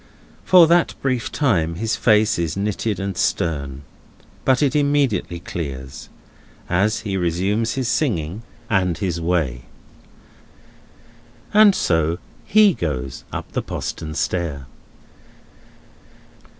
For that brief time, his face is knitted and stern. But it immediately clears, as he resumes his singing, and his way. And so he goes up the postern stair.